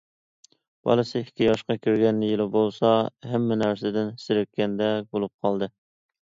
بالىسى ئىككى ياشقا كىرگەن يىلى بولسا ھەممە نەرسىدىن زېرىككەندەك بولۇپ قالدى.